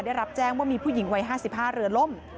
ได้รับแจ้งว่ามีผู้หญิงวัย๕๕เรือล่ม